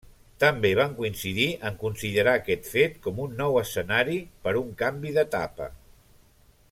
També van coincidir en considerar aquest fet com un nou escenari per un canvi d'etapa.